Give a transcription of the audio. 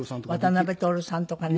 渡辺徹さんとかね。